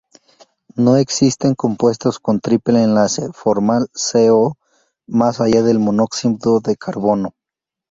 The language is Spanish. No existen compuestos con triple enlace formal C-O, más allá del monóxido de carbono.